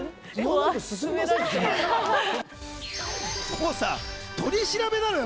もうさ取り調べなのよ